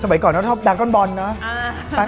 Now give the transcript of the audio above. สมัยก่อนเนอะพอแดงก้อนบอร์ลเนอะ